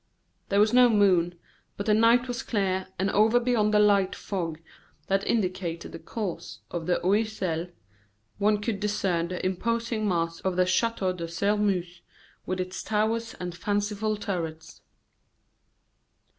There was no moon, but the night was clear, and over beyond the light fog that indicated the course of the Oiselle one could discern the imposing mass of the Chateau de Sairmeuse, with its towers and fanciful turrets.